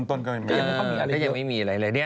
ต้นก็ยังไม่มีอะไรเลย